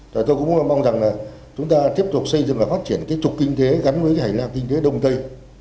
rồi tôi cũng mong rằng là chúng ta tiếp tục xây dựng và phát triển kết cấu kinh tế gắn với hải nam kinh tế đông tây